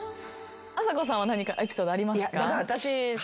あさこさんは何かエピソードありますか？